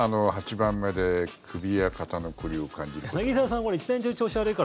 ８番目で、首や肩の凝りを感じることが多い。